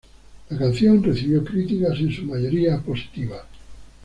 La canción recibió críticas en su mayoría positivas.